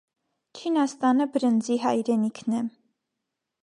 Չինաստանը բրինձի հայրենիքն է։